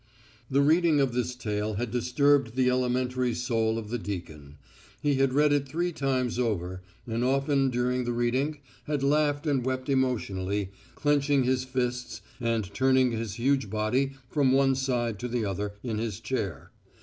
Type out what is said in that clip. The reading of this tale had disturbed the elementary soul of the deacon. He had read it three times over, and often during the reading had laughed and wept emotionally, clenching his fists and turning his huge body from one side to the other in his chair.